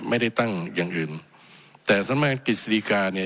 ไม่ได้ตั้งอย่างอื่นแต่สำนักงานกฤษฎิกาเนี่ย